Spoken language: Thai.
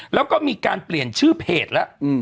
แล้วก็มีการเปลี่ยนชื่อเพจแล้ว